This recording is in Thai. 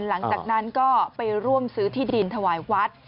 หลังจากนั้นก็ไปร่วมซื้อที่ดินถวายวัด